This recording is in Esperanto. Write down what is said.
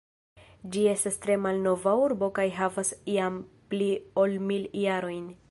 Ĝi estas tre malnova urbo kaj havas jam pli ol mil jarojn.